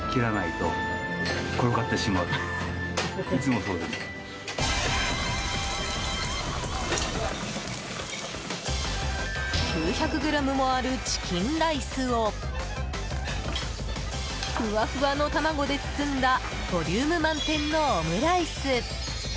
９００ｇもあるチキンライスをフワフワの卵で包んだボリューム満点のオムライス。